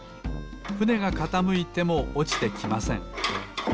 ふねがかたむいてもおちてきません。